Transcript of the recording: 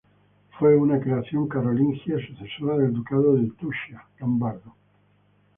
Fue una creación carolingia, sucesora del ducado de Tuscia lombardo.